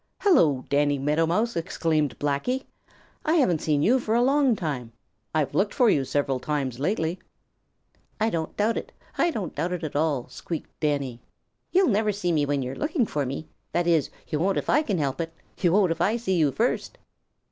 "Hello, Danny Meadow Mouse!" exclaimed Blacky. "I haven't seen you for a long time. I've looked for you several times lately." "I don't doubt it. I don't doubt it at all," squeaked Danny. "You'll never see me when you are looking for me. That is, you won't if I can help it. You won't if I see you first."